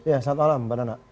ya selamat malam mbak nana